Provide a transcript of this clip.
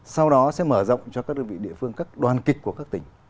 sau đó sẽ mở rộng cho các đơn vị địa phương các đoàn kịch của các tỉnh